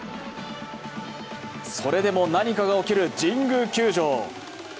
それでも何かが起きる神宮球場。